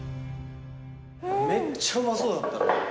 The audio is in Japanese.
めっちゃうまそうだった。